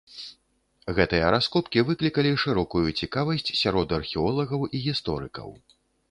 Гэтыя раскопкі выклікалі шырокую цікавасць сярод археолагаў і гісторыкаў.